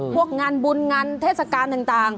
พวกงานบุญงานเทศกาลต่าง